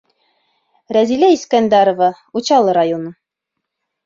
Рәзилә ИСКӘНДӘРОВА, Учалы районы: